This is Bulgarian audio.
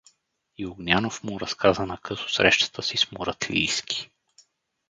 И Огнянов му разказа накъсо срещата си с Муратлийски.